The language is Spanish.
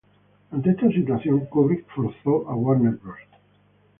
Ante esta situación, Kubrick forzó a Warner Bros.